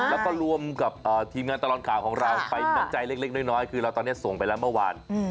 แล้วก็รวมกับทีมงานตลอดข่าวของเราไปน้ำใจเล็กน้อยคือเราตอนนี้ส่งไปแล้วเมื่อวาน